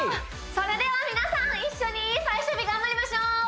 それでは皆さん一緒に最終日頑張りましょう！